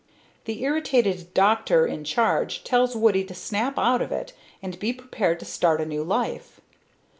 The irritated doctor in charge tells Woody to snap out of it and be prepared to start a new life.